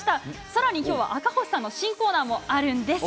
さらに、きょうは赤星さんの新コーナーもあるんです。